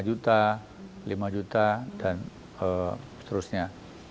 lima juta dan seterusnya